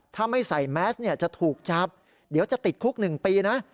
ถ้าไม่ใส่แมสเนี่ยจะถูกจับเดี๋ยวจะติดคุก๑ปีนะ